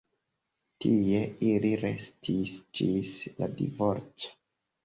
Tie ili restis ĝis la divorco.